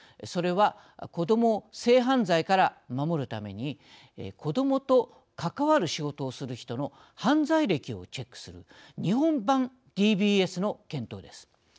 それは子どもを性犯罪から守るために子どもと関わる仕事をする人の犯罪歴をチェックする日本版ＤＢＳの検討です。